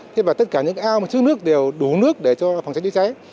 thế và tất cả những ao mà chứa nước đều đủ nước để cho phòng cháy chữa cháy